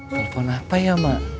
telepon apa ya mak